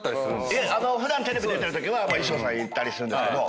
いえ普段テレビ出てるときは衣装さんいたりするんですけど。